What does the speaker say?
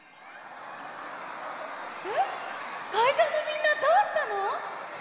えっかいじょうのみんなどうしたの？